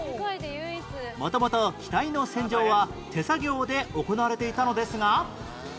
元々機体の洗浄は手作業で行われていたのですが